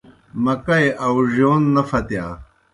مکئی آؤڙِیون نہ پھتِیا۔